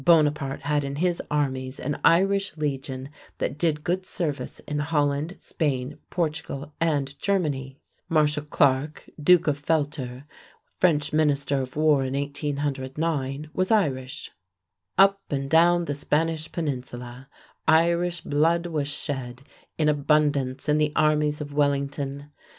Bonaparte had in his armies an Irish Legion that did good service in Holland, Spain, Portugal, and Germany. Marshal Clarke, Duke of Feltre, French Minister of War in 1809, was Irish. Up and down the Spanish Peninsula, Irish blood was shed in abundance in the armies of Wellington.